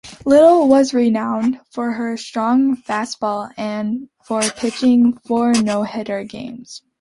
Little was renowned for her strong fastball and for pitching four no-hitter games.